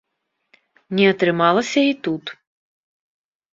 Не атрымалася і тут.